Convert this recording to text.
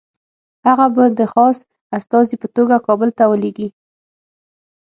هغه به د خاص استازي په توګه کابل ته ولېږي.